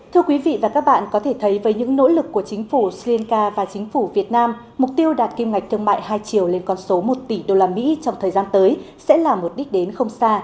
thưa quý vị và các bạn có thể thấy với những nỗ lực của chính phủ sri lanka và chính phủ việt nam mục tiêu đạt kim ngạch thương mại hai triệu lên con số một tỷ usd trong thời gian tới sẽ là mục đích đến không xa